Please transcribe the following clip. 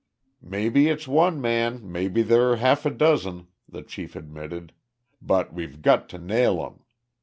"Maybe it's one man, maybe there're half a dozen," the chief admitted, "but we've got to nail 'em.